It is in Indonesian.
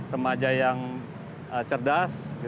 remaja yang cerdas